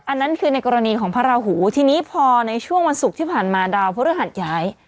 อันนั้นคือในกรณีของพระราหูทีนี้พอในช่วงวันศุกร์ที่ผ่านมาดาวพระฤหัสย้าย